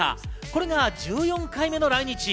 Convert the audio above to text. これが１４回目の来日。